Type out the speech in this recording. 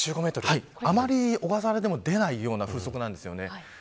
あまり小笠原でも出ないような風速です。